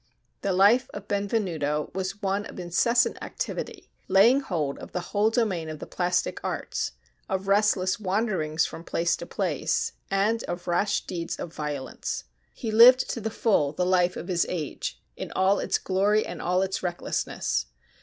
The life of Benvenuto was one of incessant activity, laying hold of the whole domain of the plastic arts: of restless wanderings from place to place; and of rash deeds of violence. He lived to the full the life of his age, in all its glory and all its recklessness.